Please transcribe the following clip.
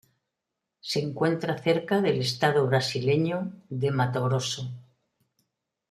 Se encuentra cerca del estado brasileño de Mato Grosso.